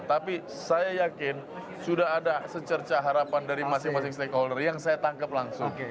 tapi saya yakin sudah ada secerca harapan dari masing masing stakeholder yang saya tangkap langsung